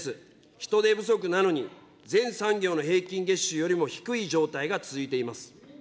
人手不足なのに、全産業の平均月収よりも低い状態が続いています。